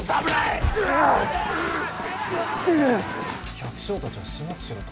百姓たちを始末しろと？